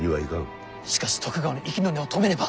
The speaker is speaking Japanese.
しかし徳川の息の根を止めねば。